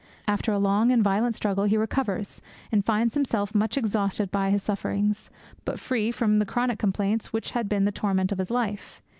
After a long and violent struggle he recovers, and finds himself much exhausted by his sufferings, but free from chronic complaints which had been the torment of his life.